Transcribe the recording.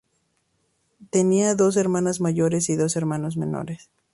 Tenía dos hermanas mayores y dos hermanos menores.